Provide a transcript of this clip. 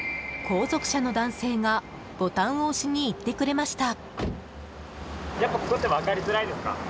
後続車の男性がボタンを押しに行ってくれました。